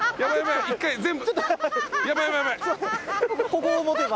ここを持てば。